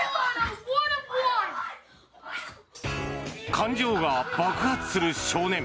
感情が爆発する少年。